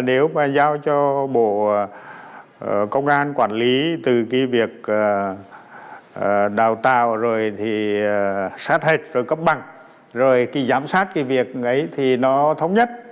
nếu mà giao cho bộ công an quản lý từ việc đào tạo sát hạch cấp băng giám sát thì nó thống nhất